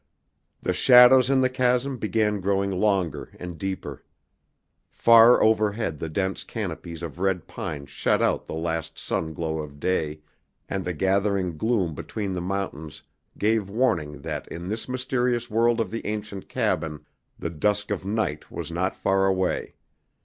The shadows in the chasm began growing longer and deeper. Far overhead the dense canopies of red pine shut out the last sun glow of day, and the gathering gloom between the mountains gave warning that in this mysterious world of the ancient cabin the dusk of night was not far away.